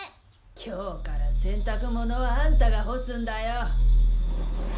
・今日から洗濯物はあんたが干すんだよ。